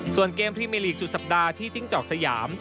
ส่วนเกมพรีเมอร์ลีกสุดสัปดาห์ที่จิ้งจอกสยาม